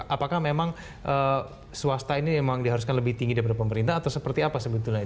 apakah memang swasta ini memang diharuskan lebih tinggi daripada pemerintah atau seperti apa sebetulnya